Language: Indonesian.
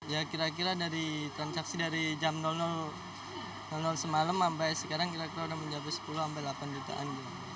ya kira kira dari transaksi dari jam semalam sampai sekarang kira kira sudah mencapai sepuluh sampai delapan jutaan